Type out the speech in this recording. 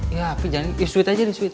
ya pi jangan ipsuit aja ipsuit